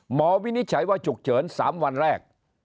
วินิจฉัยว่าฉุกเฉิน๓วันแรก